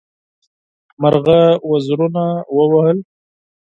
مرغه وزرونه ووهل.